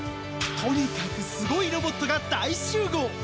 とにかくすごいロボットが大集合！